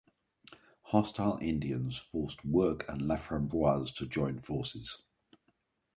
Hostile Indians forced Work and Laframboise to join forces.